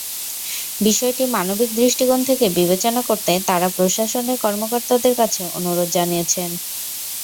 বিষয়টি মানবিক দৃষ্টিকোণ থেকে বিবেচনা করতে তাঁরা প্রশাসনের কর্মকর্তাদের কাছে অনুরোধ জানিয়েছেন।